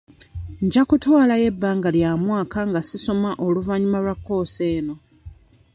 Nja kutwalayo ebbanga lya mwaka nga si soma oluvannyuma lwa kkoosi eno.